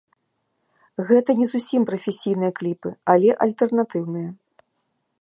Гэта не зусім прафесійныя кліпы, але альтэрнатыўныя.